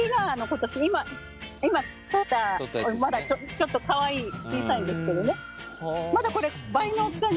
今とったまだちょっとかわいい小さいんですけどね。